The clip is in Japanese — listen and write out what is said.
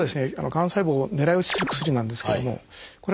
がん細胞を狙い撃ちする薬なんですけどもこれが使われた。